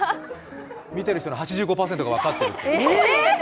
見てる人の８５％が分かってる。